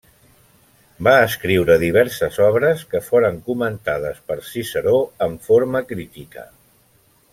Va escriure diverses obres que foren comentades per Ciceró en forma critica.